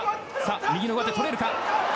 右の上手、取れるか。